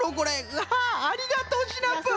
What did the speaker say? うわありがとうシナプー！